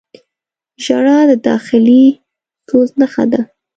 • ژړا د داخلي سوز نښه ده.